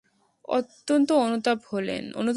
অত্যন্ত অনুতপ্ত হলেন।